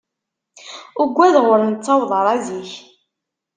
Ugadeɣ ur nettaweḍ ara zik.